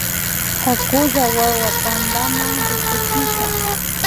Hakulla hawa pampama rikuchisha